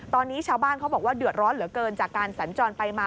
ตอนนี้ชาวบ้านเขาบอกว่าเดือดร้อนเหลือเกินจากการสัญจรไปมา